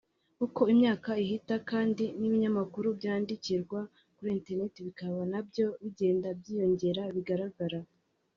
uko imyaka ihita kandi n’ibinyamakuru byandikirwa kuri internet bikaba nabyo bigenda byiyongera bigaragara